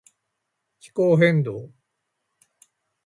気候変動